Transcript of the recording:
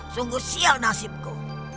sungguh sial nasibku